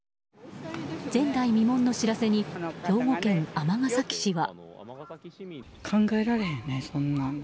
前代未聞の知らせに兵庫県尼崎市は。